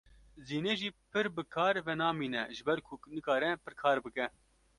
Zînê jî pir bi kar ve namîne ji ber ku nikare pir kar bike.